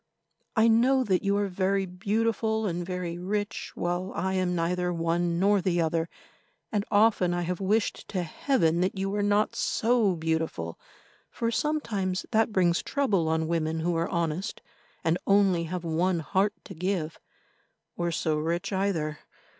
I know that you are very beautiful and very rich, while I am neither one nor the other, and often I have wished to Heaven that you were not so beautiful, for sometimes that brings trouble on women who are honest and only have one heart to give, or so rich either.